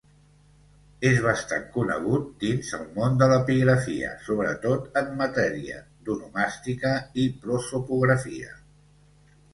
És bastant conegut dins el món de l'epigrafia, sobretot en matèria d'onomàstica i prosopografia.